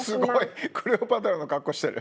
クレオパトラの格好してる。